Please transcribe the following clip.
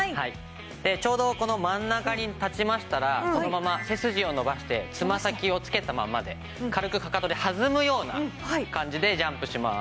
ちょうどこの真ん中に立ちましたらこのまま背筋を伸ばしてつま先をつけたままで軽くかかとで弾むような感じでジャンプします。